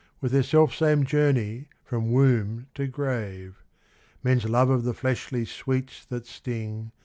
With their samesome journey from womb to grave ; Men's love of the fleshly sweets that sting.